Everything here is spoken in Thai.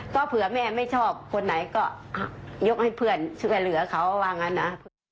ก็เผื่อแม่ไม่ชอบคนไหนก็ยกให้เพื่อนช่วยเหลือเขาว่างั้นนะ